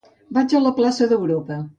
Vaig a la plaça d'Europa.